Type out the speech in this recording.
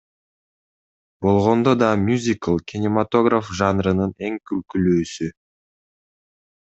Болгондо да мюзикл — кинематограф жанрынын эң күлкүлүүсү.